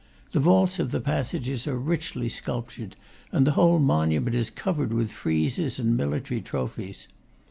The vaults of the passages are richly sculptured, and the whole monument is covered with friezes and military trophies.